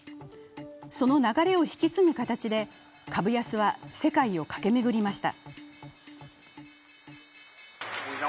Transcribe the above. その流れを引き継ぐ形で、株安は世界を駆け巡りました。